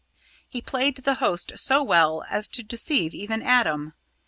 He played the host so well as to deceive even Adam.